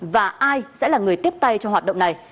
và ai sẽ là người tiếp tay cho hoạt động này